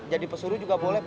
jadi pesuru juga boleh